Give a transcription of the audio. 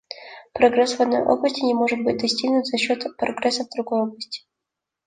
Прогресс в одной области не может быть достигнут за счет прогресса в другой области.